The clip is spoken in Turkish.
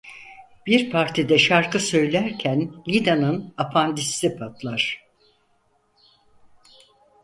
Bir partide şarkı söylerken Lida'nın apandisiti patlar.